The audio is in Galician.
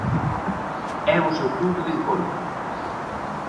É o seu punto de encontro.